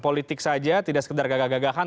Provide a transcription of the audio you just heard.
politik saja tidak sekedar gagah gagahan